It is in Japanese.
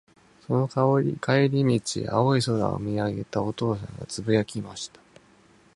その帰り道、青い空を見上げたお父さんが、つぶやきました。